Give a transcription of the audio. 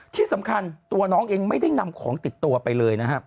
ที่สำคัญตัวน้องเองไม่ได้นำของติดตัวไปเลยนะครับ